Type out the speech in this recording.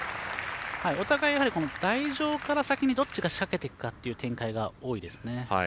お互い台上から先にどっちが仕掛けていくかという展開が多いですね。